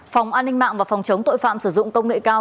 phòng an ninh mạng và phòng chống tội phạm sử dụng công nghệ cao